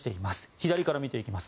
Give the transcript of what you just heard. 左から見ていきます。